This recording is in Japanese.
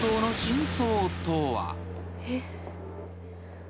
えっ？